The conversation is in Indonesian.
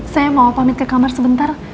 saya mau pamit ke kamar sebentar